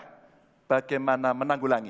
bagaimana mencegah bagaimana menanggulangi